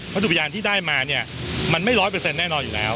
ถูกพยานที่ได้มาเนี่ยมันไม่ร้อยเปอร์เซ็นแน่นอนอยู่แล้ว